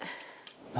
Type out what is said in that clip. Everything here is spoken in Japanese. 「何？